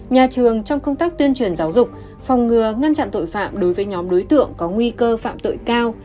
nhà trường trong công tác tuyên truyền giáo dục phòng ngừa ngăn chặn tội phạm đối với nhóm đối tượng có nguy cơ phạm tội cao